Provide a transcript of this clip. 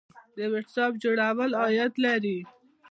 د ویب سایټ جوړول عاید لري